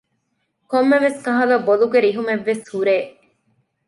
ކޮންމެވެސް ކަހަލަ ބޮލުގެ ރިހުމެއްވެސް ހުރޭ